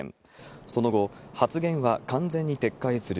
その後、発言は完全に撤回する。